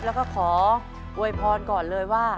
แล้วก็ขออวยพรก่อนเลยว่า